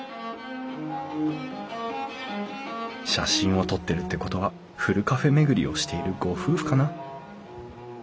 写真を撮ってるってことはふるカフェ巡りをしているご夫婦かな？